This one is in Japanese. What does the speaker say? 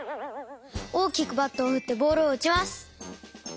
おおきくバットをふってボールをうちます。